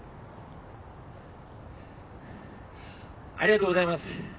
ありがとうございます。